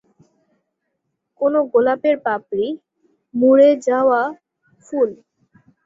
কোনো গোলাপের পাপড়ি, মুড়ে যাওয়া ফুল?